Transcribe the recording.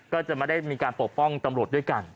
ก็จะไม่ได้มีการปกป้องตำรวจด้วยกัน